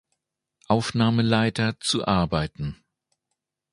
Aufnahmeleiter zu arbeiten.